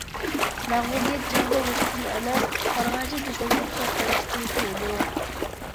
مەغلۇبىيەت جەڭدە ئۆلۈشتىن ئەمەس، بارغانچە دۈشمەنگە ئوخشاپ قېلىشتىن كېلىدۇ.